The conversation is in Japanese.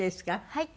はい。